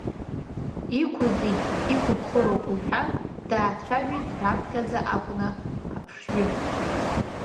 Иқәу зегьы иқәыбхыроуп, — лҳәан, даацәажәеит раԥхьаӡа акәны аԥшҩы.